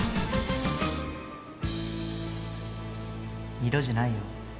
二度じゃないよ。